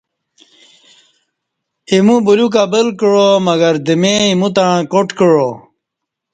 ایمو بلیوک ابل کعا مگر دمیۓ ایموتݩع کاٹ کعا۔